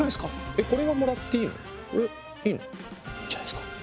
えっこれはもらっていいの？いいの？いいんじゃないすか。